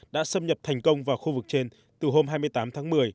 đã xâm nhập thành công vào khu vực trên từ hôm hai mươi tám tháng một mươi